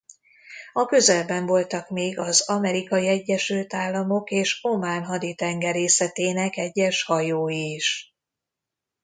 A közelben voltak még az Amerikai Egyesült Államok és Omán haditengerészetének egyes hajói is.